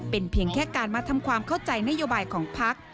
เป็นเพียงแค่การมาทำความเข้าใจนโยบายของพัก